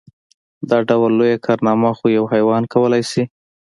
دا ډول لويه کارنامه خو يو حيوان کولی شي.